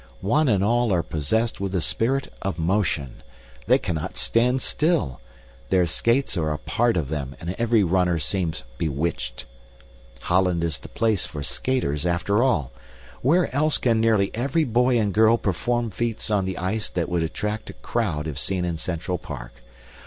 One and all are possessed with the spirit of motion. They cannot stand still. Their skates are a part of them, and every runner seems bewitched. Holland is the place for skaters, after all. Where else can nearly every boy and girl perform feats on the ice that would attract a crowd if seen in Central Park?